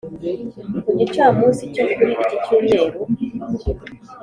ku gicamunsi cyo kuri iki cyumweru